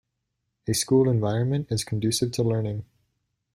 A school environment is conducive to learning.